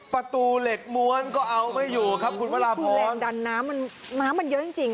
ประตูเหล็กม้วนก็เอาไปอยู่ครับคุณมราบพ้อมเน้นน้ำมันเยอะจริงจริง